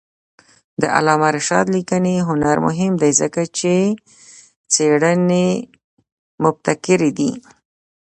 د علامه رشاد لیکنی هنر مهم دی ځکه چې څېړنې مبتکرې دي.